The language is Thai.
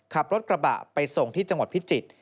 ขับรถกระบะไปส่งที่จังหวัดพิจิตร